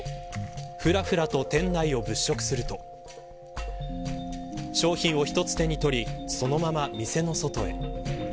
ふらふらと店内を物色すると商品を１つ手に取りそのまま店の外へ。